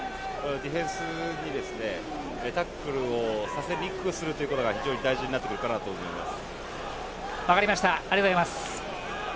ディフェンスにタックルをさせにくくすることが非常に大事になってくるかなと思います。